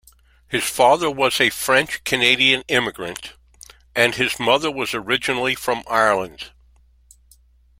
His father was a French-Canadian immigrant, and his mother was originally from Ireland.